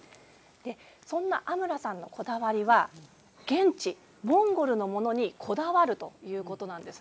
そんなアムラさんのこだわりは現地、モンゴルのものにこだわるということなんです。